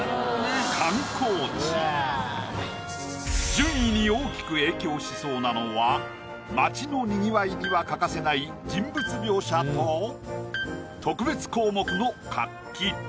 順位に大きく影響しそうなのは街のにぎわいには欠かせない人物描写と特別項目の活気。